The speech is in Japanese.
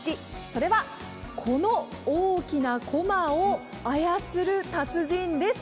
それは、この大きなこまを操る達人です。